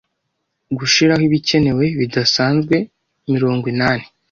Gushiraho ibikenewe bidasazwe mirongwinani